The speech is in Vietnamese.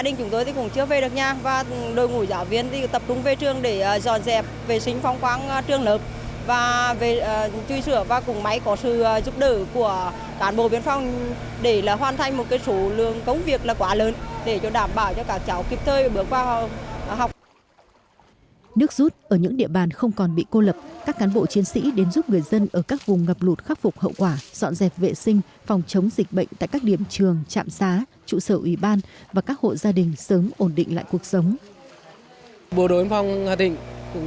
nước rút ở những địa bàn không còn bị cô lập các cán bộ chiến sĩ đến giúp người dân ở các vùng ngập lụt khắc phục hậu quả dọn dẹp vệ sinh phòng chống dịch bệnh tại các điểm trường trạm xá trụ sở ủy ban và các hộ gia đình sớm ổn định lại cuộc sống